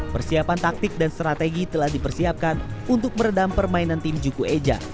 persiapan taktik dan strategi telah dipersiapkan untuk meredam permainan tim juku eja